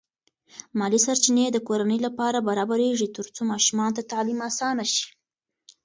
مالی سرچینې د کورنۍ لپاره برابرېږي ترڅو ماشومانو ته تعلیم اسانه شي.